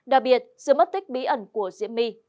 đặc biệt sự mất tích bí ẩn của diễm my